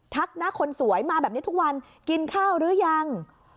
หน้าคนสวยมาแบบนี้ทุกวันกินข้าวหรือยัง